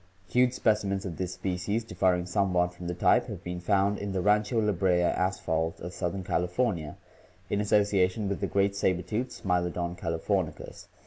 Huge specimens of this species, differing somewhat from the type, have been found in the Rancho La Brea asphalt of southern Cali fornia in association with the great saber tooth SmUodon calif orni ens.